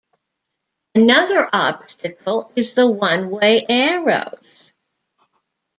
Another obstacle is the one-way arrows.